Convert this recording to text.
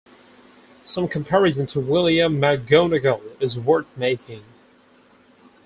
Some comparison to William McGonagall is worth making.